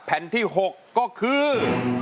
แผ่นที่๖ก็คือ